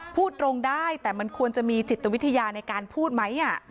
พูดตรงได้แต่มันควรจะมีจิตวิทยาในการพูดไหม